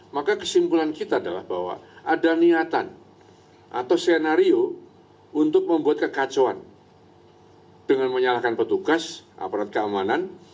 maka kesimpulan kita adalah bahwa ada niatan atau skenario untuk membuat kekacauan dengan menyalahkan petugas aparat keamanan